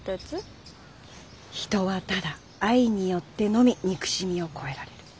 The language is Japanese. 「人はただ愛によってのみ憎しみを越えられる。